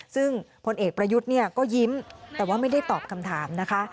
ซึ่งพลเอกประยุทธ์เนี่ยก็ยิ้มแต่ว่าไม่ได้ตอบคำถามนะคะ